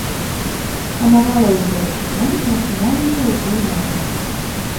Канавалаў з дзяўчынай прачыналіся ў той момант.